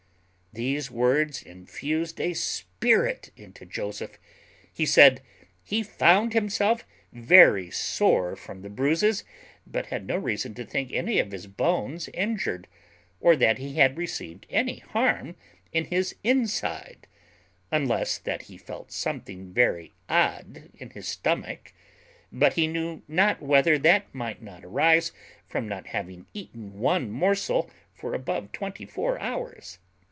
These words infused a spirit into Joseph; he said, "He found himself very sore from the bruises, but had no reason to think any of his bones injured, or that he had received any harm in his inside, unless that he felt something very odd in his stomach; but he knew not whether that might not arise from not having eaten one morsel for above twenty four hours."